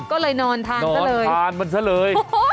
ก็เลยนอนทานซะเลยโอ้โฮ้ยอย่างนี้แม่นอนทานมันซะเลย